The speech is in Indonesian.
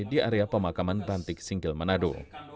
di area pemakaman bantik singkil menado